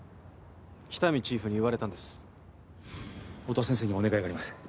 喜多見チーフに言われたんです音羽先生にお願いがあります